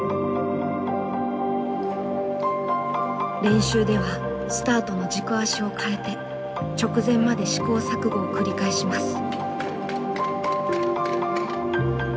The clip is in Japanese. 練習ではスタートの軸足を変えて直前まで試行錯誤を繰り返します。